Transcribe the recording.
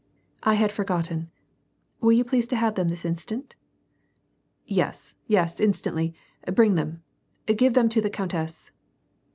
— "I had forgotten. Will you please to have them this instant ?"" Yes, yes, instantly ; bring them. Give them to the coun tess."